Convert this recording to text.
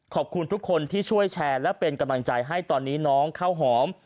ขอบคุณทุกคนที่ช่วยแชร์และเป็นกำลังใจให้ตอนนี้น้องข้าวหอม